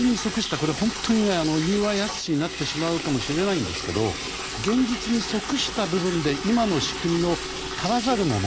これは、本当に言うは易しになってしまうかもしれませんが現実に即した部分で今の仕組みの足らざるもの。